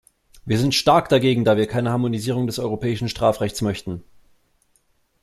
Wir sind stark dagegen, da wir keine Harmonisierung des europäischen Strafrechts möchten.